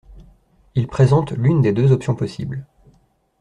Il présente l’une des deux options possibles.